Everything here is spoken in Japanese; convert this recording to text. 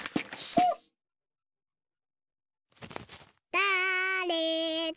だれだ？